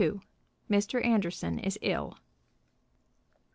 MR. ANDERSON IS ILL.